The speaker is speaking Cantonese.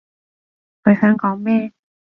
佢想講咩？